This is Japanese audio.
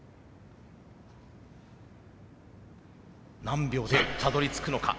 何秒でたどりつくのか。